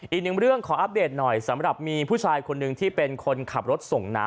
อีกหนึ่งเรื่องขออัปเดตหน่อยสำหรับมีผู้ชายคนหนึ่งที่เป็นคนขับรถส่งน้ำ